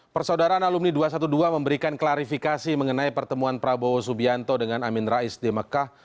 persaudaraan alumni dua ratus dua belas memberikan klarifikasi mengenai pertemuan prabowo subianto dengan amin rais di mekah